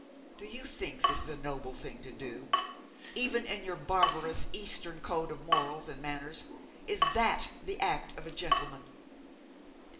Do you think that is a noble thing to do? Even in your barbarous Eastern code of morals and manners is that the act of a gentleman?'